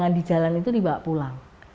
yang di jalan itu dibawa pulang